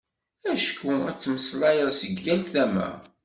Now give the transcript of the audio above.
Acku ad d-temmeslayeḍ seg yal tama.